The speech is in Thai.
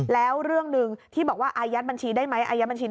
แล้วเรื่องหนึ่งที่บอกว่าอายัดบัญชีได้ไหม